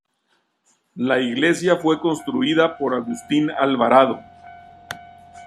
La iglesia fue construida por Agustín Alvarado.